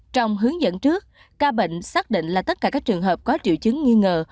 trong hướng dẫn trước ca bệnh xác định là tất cả các trường hợp có triệu chứng nghi ngờ